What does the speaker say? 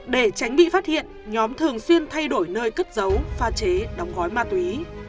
để tránh bị phát hiện nhóm thường xuyên thay đổi nơi cất giấu pha chế đóng gói ma túy